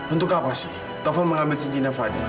untuk apa sih taufan mengambil cincinnya fadil